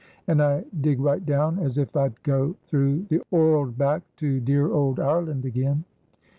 And I dig right down as if I'd go through the 'orld back to dear old Ireland again.